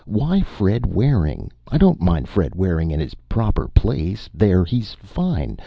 Why Fred Waring? I don't mind Fred Waring in his proper place. There he's fine.